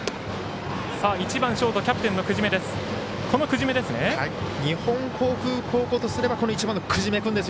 １番ショートキャプテンの久次米です。